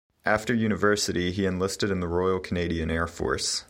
After university, he enlisted in the Royal Canadian Air Force.